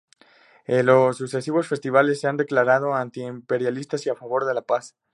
Los sucesivos festivales se han declarado anti-imperialistas y a favor de la paz.